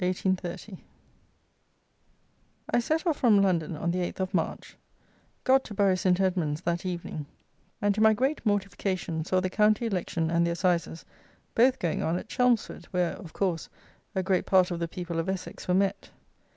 _ I set off from London on the 8th of March, got to Bury St. Edmund's that evening; and, to my great mortification, saw the county election and the assizes both going on at Chelmsford, where, of course, a great part of the people of Essex were met.